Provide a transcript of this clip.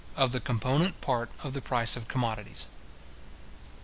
OF THE COMPONENT PART OF THE PRICE OF COMMODITIES.